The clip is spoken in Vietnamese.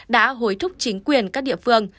đã hối thúc chính quyền các địa phương